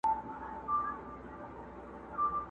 چي استاد وو پر تخته باندي لیکلی!.